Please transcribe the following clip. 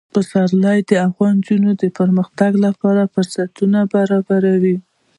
پسرلی د افغان نجونو د پرمختګ لپاره فرصتونه برابروي.